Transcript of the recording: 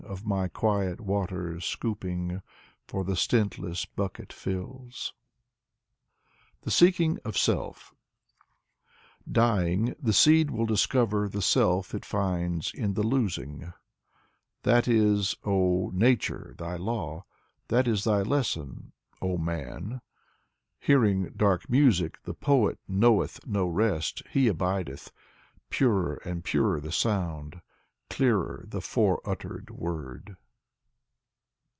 Of my quiet waters scooping, — For the stintless bucket fills." 102 Vy aches lav Ivanov THE SEEKING OF SELF Dying, the seed will discover the self it finds in the losing. That is, oh, Nature, thy law! That is thy lesson, oh, Man! Hearing dark music, the poet knoweth no rest; he abideth — Purer and purer the sound, clearer the fore uttered word.